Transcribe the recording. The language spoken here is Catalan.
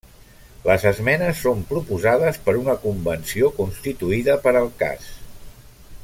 Les esmenes són proposades per una convenció constituïda per al cas.